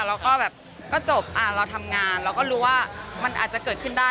แล้วก็แบบก็จบเราทำงานเราก็รู้ว่ามันอาจจะเกิดขึ้นได้